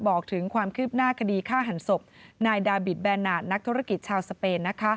บอกถึงความคืบหน้าคดีฆ่าหันศพนายดาบิตแบนนาทนักธุรกิจชาวสเปน